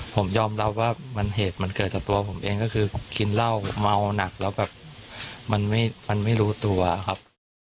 ผมยอมรับว่าเหตุมันเกิดจากตัวผมเองก็คือผมกินเหล้าเมาหนักแล้วแบบมันไม่รู้ตัวครับ